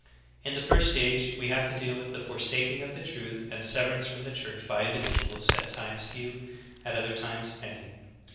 17. In the first stage we have to deal with the forsaking of_the truth and severance from the Church by individuals, at times few, at other times many.